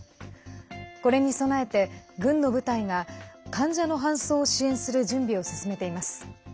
これに備えて、軍の部隊が患者の搬送を支援する準備を進めています。